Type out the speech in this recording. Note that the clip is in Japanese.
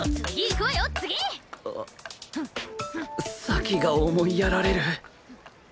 先が思いやられる